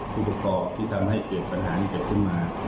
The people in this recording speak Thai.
ผู้ประกอบที่ทำให้เกิดปัญหานี้เกิดขึ้นมา